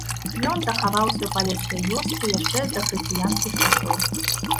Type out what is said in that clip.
Ён захаваўся ў палескай вёсцы яшчэ з дахрысціянскіх часоў.